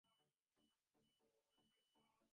আমি জানতে চাচ্ছি।